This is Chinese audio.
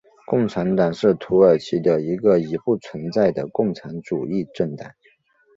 共产党是土耳其的一个已不存在的共产主义政党。